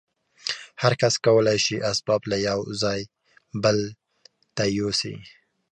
هر کس کولای شي اسباب له یوه ځای بل ته یوسي